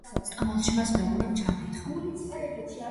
სტამბოლში მას მეუღლემ ჩააკითხა.